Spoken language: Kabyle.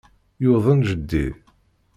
Yuḍen jeddi.